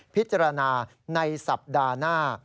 พิจารณาในสัปดาห์หน้า